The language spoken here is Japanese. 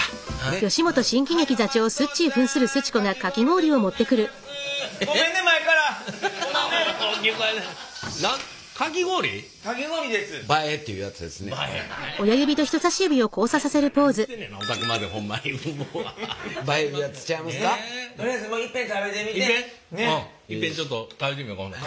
おおいっぺんちょっと食べてみよかほんなら。